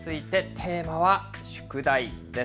テーマは宿題です。